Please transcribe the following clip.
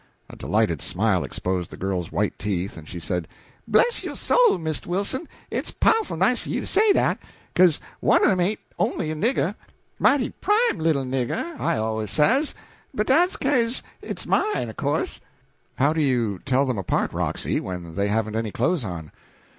A delighted smile exposed the girl's white teeth, and she said: "Bless yo' soul, Misto Wilson, it's pow'ful nice o' you to say dat, 'ca'se one of 'em ain't on'y a nigger. Mighty prime little nigger, I al'ays says, but dat's 'ca'se it's mine, o' course." "How do you tell them apart, Roxy, when they haven't any clothes on?"